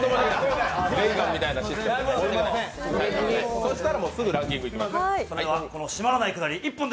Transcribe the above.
そしたらもうすぐランキングいきますので。